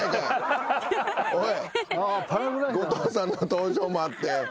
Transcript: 後藤さんの登場もあって。